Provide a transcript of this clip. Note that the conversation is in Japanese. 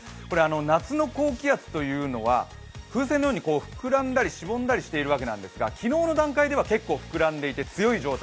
夏の高気圧は風船のように膨らんだりしぼんだりしているんですが昨日の段階では結構膨らんでいて強い状態。